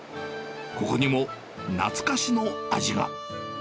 ここにも懐かしの味が。